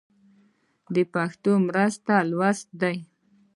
د پښتو مرسته لوست ده.